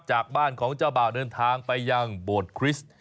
จากบ้านของเจ้าบ่าวเดินทางไปยังโบสถ์คริสต์